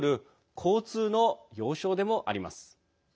交通の要衝でもあります。